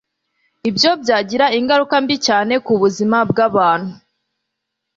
ibyo byagira ingaruka mbi cyane ku buzima bw'abantu.